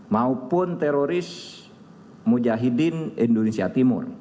maupun teroris mujahidin indonesia timur